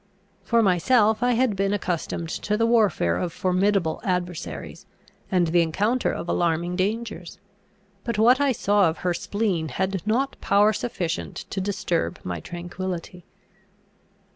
For myself, I had been accustomed to the warfare of formidable adversaries, and the encounter of alarming dangers; and what I saw of her spleen had not power sufficient to disturb my tranquillity.